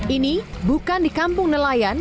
ini bukan di kampung nelayan